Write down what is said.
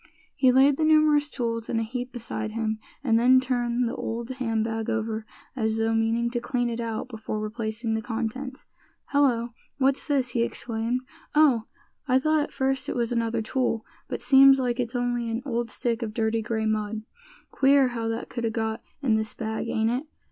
He laid the numerous tools in a heap beside him, and then turned the old hand bag over, as though meaning to clean it out before replacing the contents. "Hello! what's this?" he exclaimed; "Oh! I thought at first it was another tool; but seems like it's only an old stick of dirty gray mud. Queer how that could a got in this bag, ain't it?